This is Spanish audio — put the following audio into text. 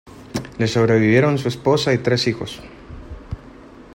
Le sobrevivieron su esposa y tres hijos.